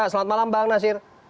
selamat malam bang nasir